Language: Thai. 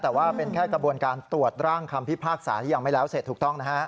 แต่ว่าเป็นแค่กระบวนการตรวจร่างคำพิพากษาที่ยังไม่แล้วเสร็จถูกต้องนะฮะ